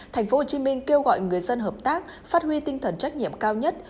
tp hcm kêu gọi người dân hợp tác phát huy tinh thần trách nhiệm cao nhất